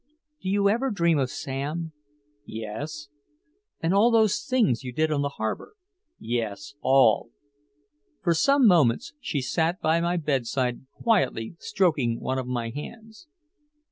"Do you ever dream of Sam?" "Yes." "And all those things you did on the harbor?" "Yes all." For some moments she sat by my bedside quietly stroking one of my hands.